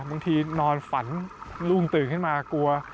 นอนฝันรุ่งตื่นขึ้นมากลัว